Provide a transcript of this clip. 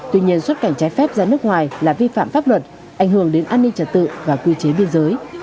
tuy nhiên xuất cảnh trái phép ra nước ngoài là vi phạm pháp luật ảnh hưởng đến an ninh trật tự và quy chế biên giới